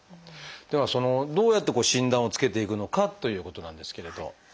ではどうやって診断をつけていくのかということなんですけれど。